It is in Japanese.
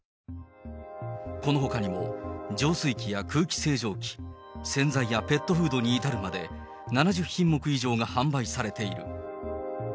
このほかにも浄水器や空気清浄機、洗剤やペットフードに至るまで、７０品目以上が販売されている。